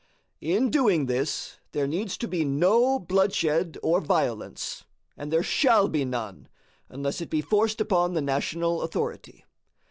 In doing this there needs to be no bloodshed or violence; and there shall be none, unless it be forced upon the national authority.